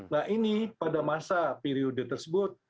nah ini pada masa periode tersebut